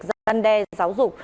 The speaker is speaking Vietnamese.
giăn đe giáo dục